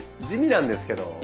地味なんですけど。